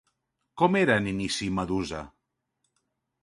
Com era en inici Medusa?